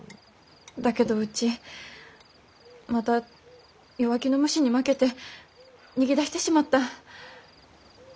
だけどうちまた弱気の虫に負けて逃げ出してしまった。